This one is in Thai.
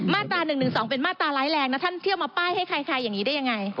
มาตรา๑๑๒เป็นมาตราร้ายแรงนะท่านเที่ยวมาป้ายให้ใครอย่างนี้ได้ยังไง